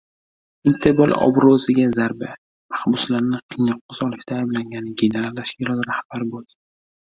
Interpol obro‘siga zarba: Mahbuslarni qiynoqqa solishda ayblangan general tashkilot rahbari bo‘ldi